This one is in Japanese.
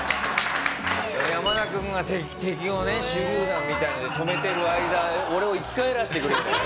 山田君が敵をね手榴弾みたいなので止めてる間俺を生き返らせてくれるのよ。